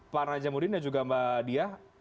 pak raja mudin dan juga mbak diah